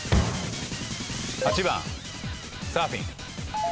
８番サーフィン。